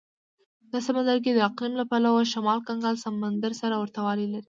دا سمندرګي د اقلیم له پلوه شمال کنګل سمندر سره ورته والی لري.